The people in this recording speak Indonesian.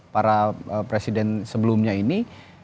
para presiden sebelumnya ini